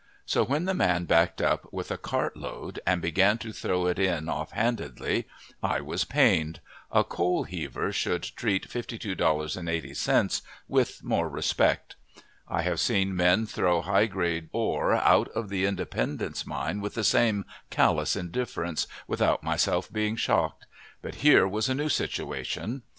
So when the man backed up with a cartload and began to throw it in off handedly, I was pained. A coal heaver should treat $52.80 with more respect. I have seen men throw high grade ore out of the Independence mine with the same callous indifference, without myself being shocked; but here was a new situation.